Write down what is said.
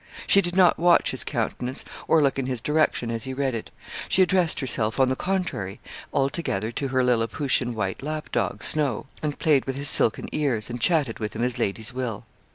She did not watch his countenance, or look in his direction, as he read it. She addressed herself, on the contrary, altogether to her Liliputian white lap dog, Snow, and played with his silken ears; and chatted with him as ladies will.